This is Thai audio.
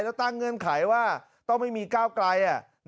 แล้วตั้งเงื่อนไขว่าต้องไม่มีก้าวไกล